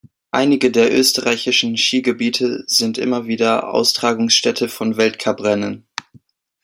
Einige der österreichischen Skigebiete sind immer wieder Austragungsstätte von Weltcuprennen.